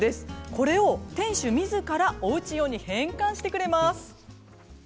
これを店主みずからおうち用に変換してくれます。